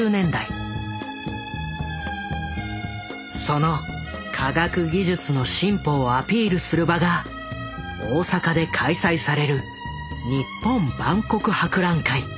その科学技術の進歩をアピールする場が大阪で開催される日本万国博覧会。